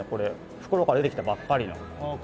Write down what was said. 袋から出てきたばっかりの写真。